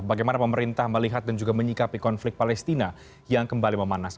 bagaimana pemerintah melihat dan juga menyikapi konflik palestina yang kembali memanas